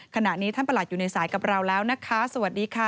ขณะนี้ท่านประหลัดอยู่ในสายกับเราแล้วนะคะสวัสดีค่ะ